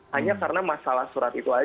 hanya karena masalah surat itu aja gitu